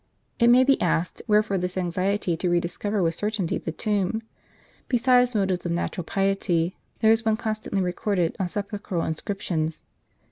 It may be asked, wherefore this anxiety to rediscover with certainty the tomb ? Besides motives of natural piety, there is one constantly recorded on sepulchral inscriptions.